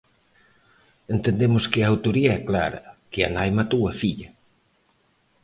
Entendemos que a autoría é clara, que a nai matou a filla.